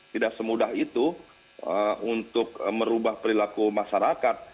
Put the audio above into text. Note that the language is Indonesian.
tidak semudah itu untuk merubah perilaku masyarakat